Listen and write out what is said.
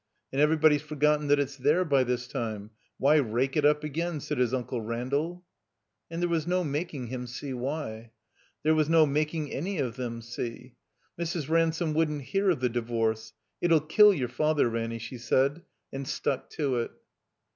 And everybody's forgotten that it's there by this time. Why rake it up again?" said his Uncle Randall. And there was no making him see why. There was no making any of them see. Mrs. Ransome wouldn't hear of the divorce. "It 'U kill your Father, Ranny," she said, and stuck to it.